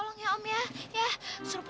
om buru buru mau pergi